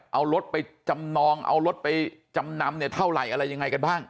เอารถไปจำนองเอารถไปจำนำเนี่ยเท่าไหร่อะไรยังไงกันบ้าง